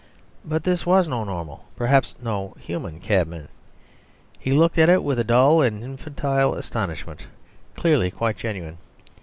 But this was no normal, perhaps, no human, cabman. He looked at it with a dull and infantile astonishment, clearly quite genuine.